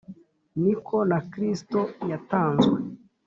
ni ko na Kristo yatanzwe